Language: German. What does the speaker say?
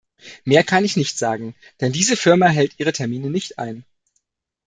Mehr kann ich nicht sagen, denn diese Firma hält ihre Termine nicht ein.